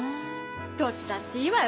どっちだっていいわよ